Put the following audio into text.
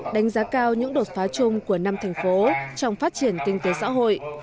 đánh giá cao những đột phá chung của năm thành phố trong phát triển kinh tế xã hội